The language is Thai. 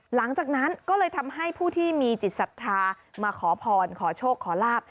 หลังจากนั้นก็เลยทำให้ผู้ที่มีจิตศรัทธามาขอพรขอโชคขอลาบ